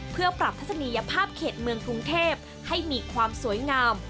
เพื่อปรับทัศนียภาพเขตเมืองกรุงเทพให้มีความสวยงาม